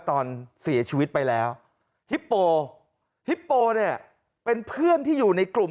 ตอนเสียชีวิตไปแล้วฮิปโปฮิปโปเนี่ยเป็นเพื่อนที่อยู่ในกลุ่ม